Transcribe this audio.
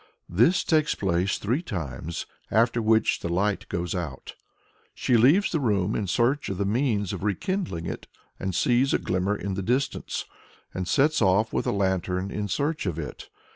This takes place three times, after which the light goes out. She leaves the room in search of the means of rekindling it, sees a glimmer in the distance, and sets off with a lantern in search of it.